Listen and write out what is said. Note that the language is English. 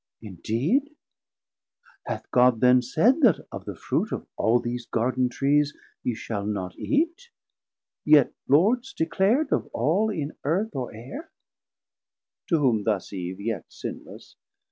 Indeed? hath God then said that of the Fruit Of all these Garden Trees ye shall not eate, Yet Lords declar'd of all in Earth or Aire? To whom thus Eve yet sinless.